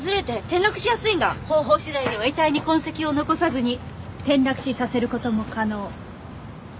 方法次第では遺体に痕跡を残さずに転落死させる事も可能。